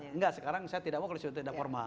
enggak sekarang saya tidak mau kalau sudah tidak formal